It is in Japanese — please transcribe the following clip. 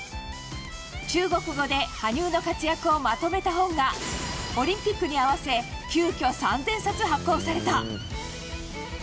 中国語で羽生の活躍をまとめた本がオリンピックに合わせ急きょ３０００冊、発行された。